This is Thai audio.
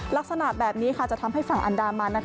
ลักษณะแบบนี้จะทำให้ฝั่งอันดามัน